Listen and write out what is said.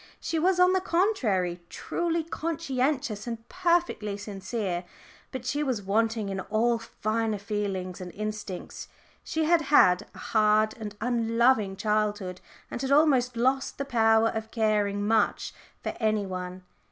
She was, on the contrary, truly conscientious and perfectly sincere. But she was wanting in all finer feelings and instincts. She had had a hard and unloving childhood, and had almost lost the power of caring much for any one.